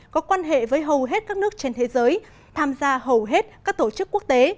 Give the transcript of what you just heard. có quan hệ với hầu hết các nước trên thế giới tham gia hầu hết các tổ chức quốc tế